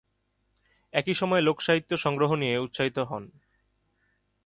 একই সময়ে লোকসাহিত্য সংগ্রহ নিয়ে উৎসাহিত হন।